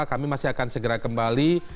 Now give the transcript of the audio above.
kami masih akan segera kembali